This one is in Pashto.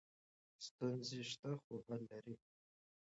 ستونزې شته خو حل لري.